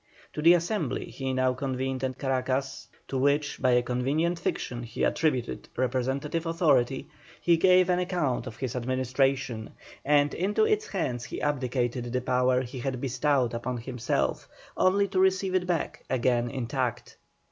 To the Assembly he now convened at Caracas, to which by a convenient fiction he attributed representative authority, he gave an account of his administration, and into its hands he abdicated the power he had bestowed upon himself, only to receive it back again intact.